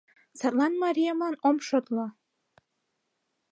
Садлан мариемлан ом шотло.